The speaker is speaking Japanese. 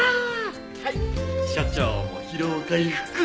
はい所長も疲労回復！